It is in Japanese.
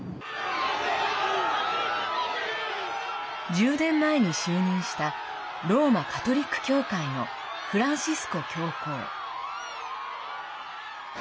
１０年前に就任したローマ・カトリック教会のフランシスコ教皇。